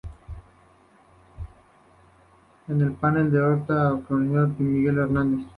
En el penal de Ocaña, coincidió con el poeta Miguel Hernández.